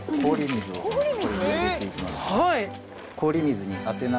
はい。